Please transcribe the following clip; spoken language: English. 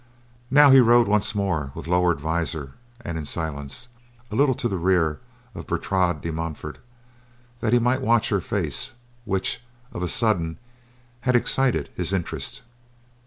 Now he rode once more with lowered visor, and in silence, a little to the rear of Bertrade de Montfort that he might watch her face, which, of a sudden, had excited his interest.